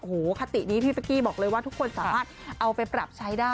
โอ้โหคตินี้พี่เป๊กกี้บอกเลยว่าทุกคนสามารถเอาไปปรับใช้ได้